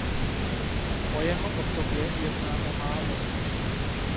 O jeho osobě je známo málo.